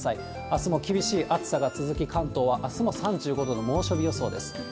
あすも厳しい暑さが続き、関東はあすも３５度の猛暑日予想です。